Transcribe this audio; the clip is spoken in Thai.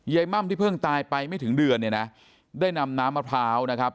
ม่ำที่เพิ่งตายไปไม่ถึงเดือนเนี่ยนะได้นำน้ำมะพร้าวนะครับ